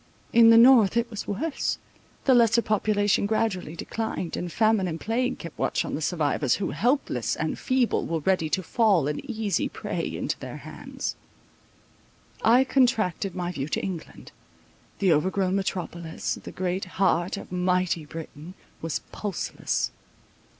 In the north it was worse—the lesser population gradually declined, and famine and plague kept watch on the survivors, who, helpless and feeble, were ready to fall an easy prey into their hands. I contracted my view to England. The overgrown metropolis, the great heart of mighty Britain, was pulseless.